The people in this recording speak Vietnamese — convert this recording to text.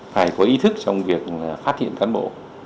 phải có ý thức trong việc phát hiện cán bộ